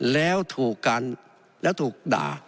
แล้วถูกด่า